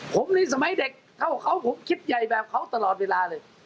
ผมในสมัยเด็กเท่าเขาผมคิดใหญ่แบบเขาตลอดเวลาเลย